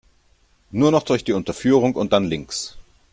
Nur noch durch die Unterführung und dann links.